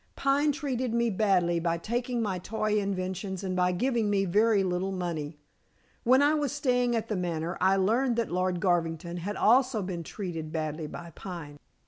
"Pine treated me badly by taking my toy inventions and by giving me very little money. When I was staying at The Manor I learned that Lord Garvington had also been treated badly by Pine.